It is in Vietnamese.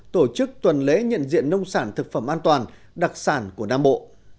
tổ chức tuần lễ nhận diện nông sản thực phẩm an toàn đặc sản của nam bộ